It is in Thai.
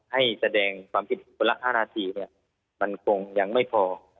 ให้แสดงความผิดคุณคนละ๕นาทีมันคงยังไม่พอ